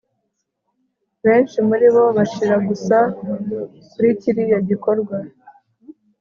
benshi muribo bashira gusa kuri kiriya gikorwa